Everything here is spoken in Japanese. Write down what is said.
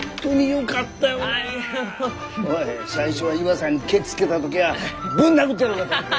おい最初イワさんにケチつけた時はぶん殴ってやろうかと思った。